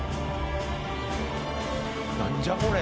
何じゃ⁉これ！